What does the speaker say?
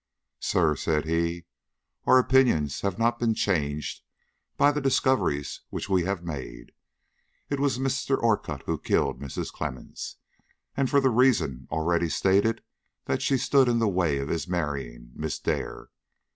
"Sir," said he, "our opinions have not been changed by the discoveries which we have made. It was Mr. Orcutt who killed Mrs. Clemmens, and for the reason already stated that she stood in the way of his marrying Miss Dare.